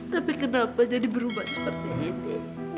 tapi kenapa jadi berubah seperti ini